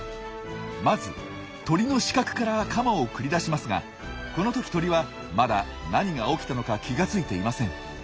まず鳥の死角からカマを繰り出しますがこの時鳥はまだ何が起きたのか気が付いていません。